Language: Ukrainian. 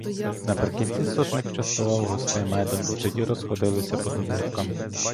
Наприкінці сотник частував гостей медом і тоді розходилися по домівках.